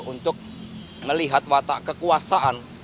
untuk melihat watak kekuasaan